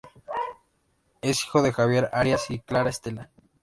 Es hijo de Javier Arias y Clara Stella.